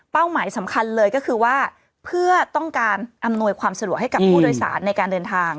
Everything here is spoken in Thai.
หมายสำคัญเลยก็คือว่าเพื่อต้องการอำนวยความสะดวกให้กับผู้โดยสารในการเดินทาง